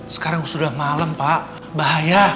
sekarang sudah malam pak bahaya